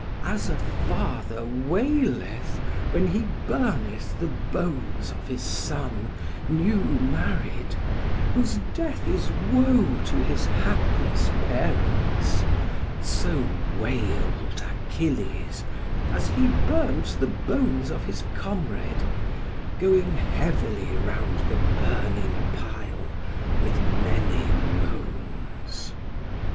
As a father waileth when he burneth the bones of his son, new married, whose death is woe to his hapless parents, so wailed Achilles as he burnt the bones of his comrade, going heavily round the burning pile, with many moans.